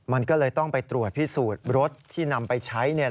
มันก็เลยต้องไปตรวจพิสูจน์รถที่นำไปใช้เนี่ย